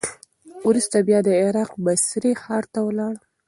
وروسته بیا د عراق بصرې ښار ته ولاړ.